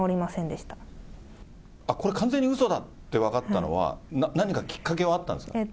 あっ、これ完全にうそだって分かったのは、何かきっかけはあったんです